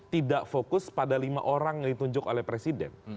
tidak fokus pada lima orang yang ditunjuk oleh presiden